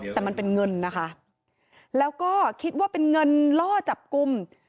แต่มันเป็นเงินนะคะแล้วก็คิดว่าเป็นเงินล่อจับกลุ่ม